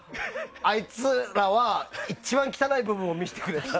あいつらは、一番汚い部分を見せてくれたって。